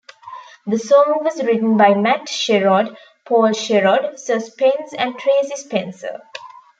The song was written by Matt Sherrod, Paul Sherrod, Sir Spence and Tracie Spencer.